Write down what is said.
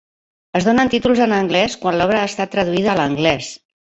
Es donen títols en anglès quan l'obra ha estat traduïda a l'anglès.